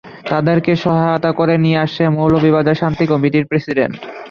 তাদেরকে সহায়তা করে নিয়ে আসে মৌলভীবাজার শান্তি কমিটির প্রেসিডেন্ট।